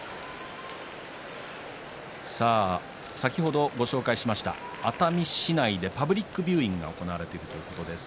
先ほど、ご紹介しました熱海市内でパブリックビューイングが行われているということです。